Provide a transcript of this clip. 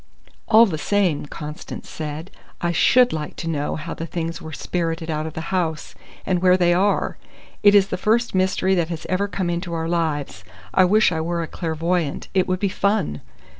"All the same," Constance said, "I should like to know how the things were spirited out of the house, and where they are. It is the first mystery that has ever come into our lives. I wish I were a clairvoyante. It would be fun!"